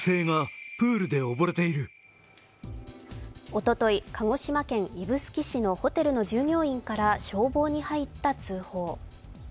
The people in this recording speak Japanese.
おととい、鹿児島県指宿市のホテルの従業員から消防に入った通報。